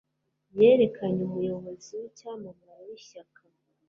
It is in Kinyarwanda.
Yerekanye umuyobozi w'icyamamare w'ishyaka,